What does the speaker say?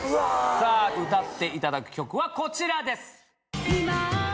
さぁ歌っていただく曲はこちらです。